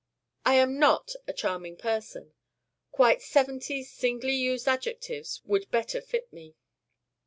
I am not a charming person. Quite seventy singly used adjectives would better fit me.